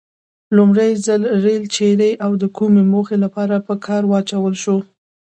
لومړي ځل ریل چیري او د کومې موخې لپاره په کار واچول شو؟